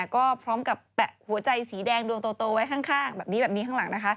ก็พร้อมกับแปะหัวใจสีแดงดวงโตไว้ข้างแบบนี้แบบนี้ข้างหลังนะคะ